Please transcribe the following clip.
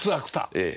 ええ。